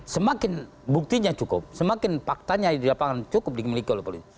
semakin buktinya cukup semakin faktanya di lapangan cukup dimiliki oleh polisi